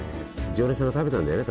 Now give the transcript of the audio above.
常連さんが食べたんだよね